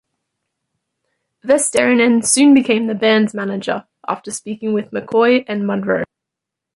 Vesterinen soon became the band's manager after speaking with McCoy and Monroe.